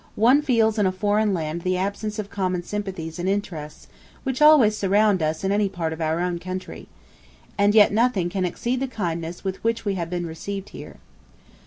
... One feels in a foreign land the absence of common sympathies and interests, which always surround us in any part of our own country. And yet nothing can exceed the kindness with which we have been received here.